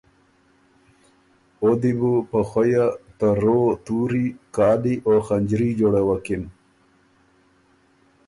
او دی بُو په خویۀ ته رو تُوري، کالی او خنجري جوړوکِن